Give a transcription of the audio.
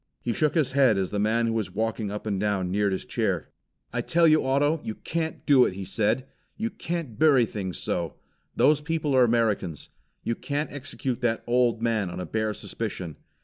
He shook his head as the man who was walking up and down neared his chair. "I tell you, Otto, you can't do it," he said. "You can't burry things so. Those people are Americans. You can't execute that old man on a bare suspicion.